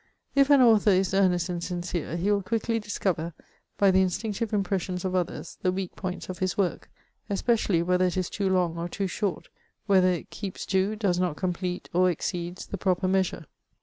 If an author is earnest and sincere, he will quickly discover, by the instinctive impressions of others, the weak points of his work, especially whether it is too long or too short, whether it keeps to, does not complete, or exceeds, the proper measure.